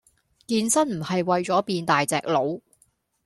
健身唔係為左變大隻佬